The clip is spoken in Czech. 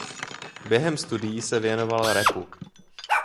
Během studií se věnoval rapu.